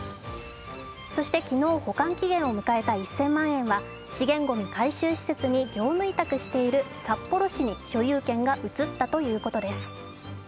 そして昨日保管期限を迎えた１０００万円は資源ごみ回収施設に業務委託している札幌市に所有権が移ったということです。